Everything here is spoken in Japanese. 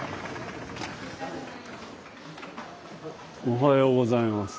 おはようございます。